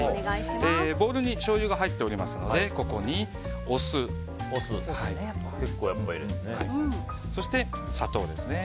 ボウルにしょうゆが入っておりますのでここにお酢、そして砂糖ですね。